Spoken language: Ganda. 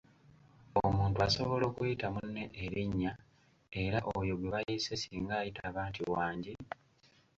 Omuntu asobola okuyita munne erinnya era oyo gwe bayise singa ayitaba nti "Wangi?